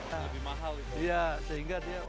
lebih mahal itu